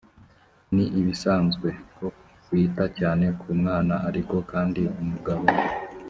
ni ibisanzwe ko wita cyane ku mwana ariko kandi umugabo